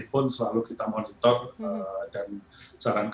dan bukankah tersebut sangat menyenangkan presiden anda atau para seorang yang sayawhitual